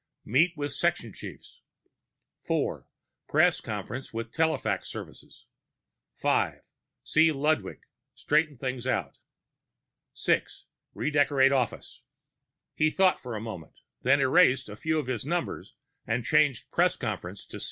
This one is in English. Meeting with section chiefs_ 4. Press conference with telefax services 5. See Ludwig ... straighten things out 6. Redecorate office He thought for a moment, then erased a few of his numbers and changed Press conference to _6.